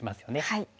はい。